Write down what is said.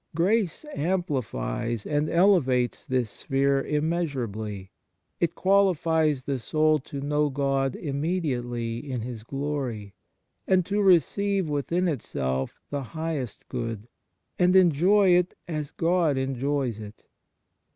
Grace amplifies and ele vates this sphere immeasurably; it quali fies the soul to know God immediately in His glory, and to recerve within itself the highest good, and enjoy it as God Himself enjoys it.